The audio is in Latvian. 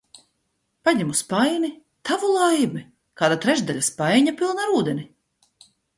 Paņemu spaini, tavu laimi, kāda trešdaļa spaiņa pilna ar ūdeni.